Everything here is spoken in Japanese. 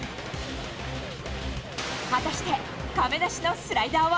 果たして、亀梨のスライダーは。